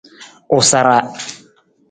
U sara.